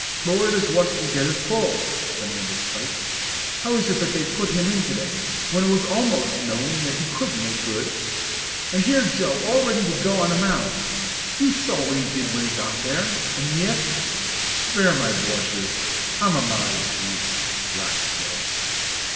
"But where does Weston get his pull?" demanded Spike. "How is it that they put him in to day, when it was almost known that he couldn't make good. And here was Joe all ready to go on the mound. You saw what he did when he got there and yet " "Spare my blushes! I'm a modest youth!" laughed Joe.